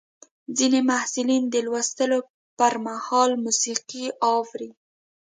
ځینې محصلین د لوستلو پر مهال موسیقي اوري.